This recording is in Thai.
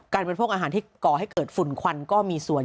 การบันทรวงอาหารที่ก่อให้เกิดฝุ่นควันก็มีส่วน